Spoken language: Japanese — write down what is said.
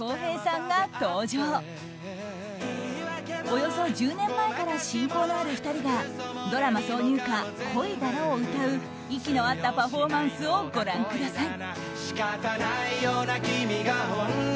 およそ１０年前から親交のある２人がドラマ挿入歌「恋だろ」を歌う息の合ったパフォーマンスをご覧ください。